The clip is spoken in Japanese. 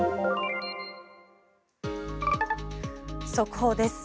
速報です。